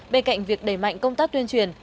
bên cạnh việc đẩy mạnh công tác tuyên truyền